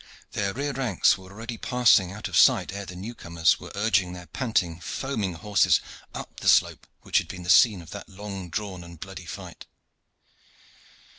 Their rear ranks were already passing out of sight ere the new comers were urging their panting, foaming horses up the slope which had been the scene of that long drawn and bloody fight.